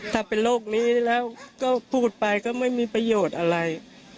ถ้าเป็นโรคนี้แล้วก็พูดไปก็ไม่มีประโยชน์อะไร